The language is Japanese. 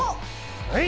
はい！